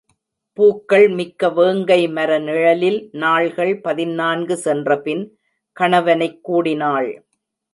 பூக்கள் மிக்க வேங்கை மர நிழலில் நாள்கள் பதினான்கு சென்றபின் கணவனைக் கூடினாள்.